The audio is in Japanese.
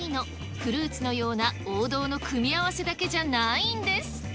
フルーツのような王道の組み合わせだけじゃないんです。